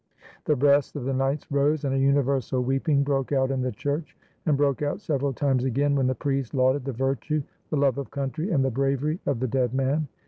The breasts of the knights rose ; and a universal weep ing broke out in the church, and broke out several times again, when the priest lauded the virtue, the love of country, and the bravery of the dead man.